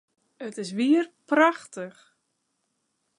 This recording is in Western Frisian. It is wier prachtich!